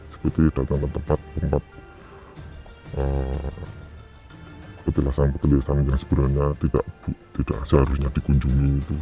seperti datang ke tempat tempat petilasan petilasan yang sebenarnya tidak seharusnya dikunjungi